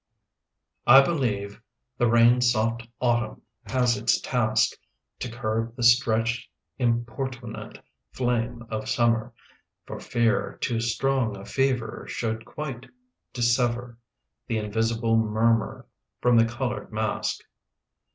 I believe the rain soft autumn has its task To curb the stretched importunate flame of summer, For fear too strong a fever Should quite dissever The invisible murmur from the coloured mask.